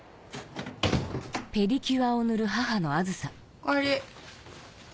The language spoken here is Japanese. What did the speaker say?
おかえり。